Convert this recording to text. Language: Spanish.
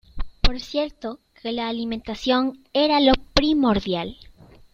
Por cierto que la alimentación era lo primordial.